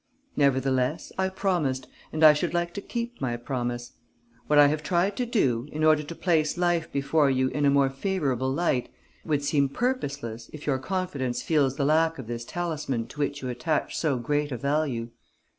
Nevertheless, I promised and I should like to keep my promise. What I have tried to do, in order to place life before you in a more favourable light, would seem purposeless, if your confidence feels the lack of this talisman to which you attach so great a value.